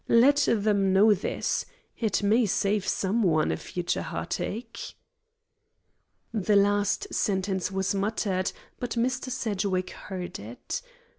Let them know this. It may save some one a future heartache." The last sentence was muttered, but Mr. Sedgwick heard it.